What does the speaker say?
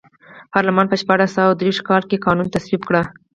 پارلمان په شپاړس سوه درویشت کال کې قانون تصویب کړ.